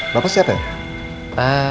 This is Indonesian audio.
bapak siapa ya